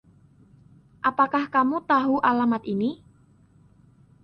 Apakah kamu tahu alamat ini...?